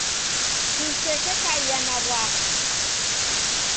Kosekekaia na w'asi